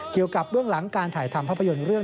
เกี่ยวกับเรื่องหลังการถ่ายทำภาพยนตร์เรื่อง